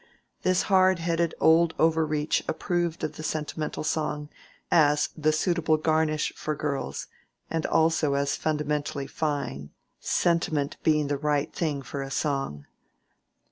This hard headed old Overreach approved of the sentimental song, as the suitable garnish for girls, and also as fundamentally fine, sentiment being the right thing for a song.